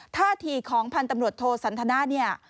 ท่าทีของพันธุ์ตำรวจโทสันทนาเนี่ย